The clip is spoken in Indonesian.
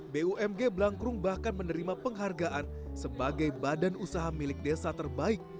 bumg blangkrung bahkan menerima penghargaan sebagai badan usaha milik desa terbaik